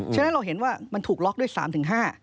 ฉะนั้นเราเห็นว่ามันถูกล็อกด้วย๓๕